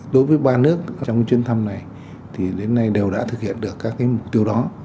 đối với ba nước trong chuyến thăm này đến nay đều đã thực hiện được các mục tiêu đó